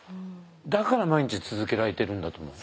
だから毎日続けられてるんだと思う。